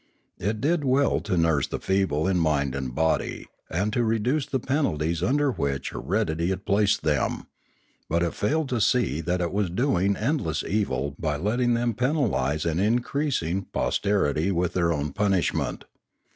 It did well to nurse the feeble in mind and body, and to reduce the penalties under which heredity had placed them; but it failed to see that it was doing endless evil by letting them penalise an increasing posterity with their own punishment.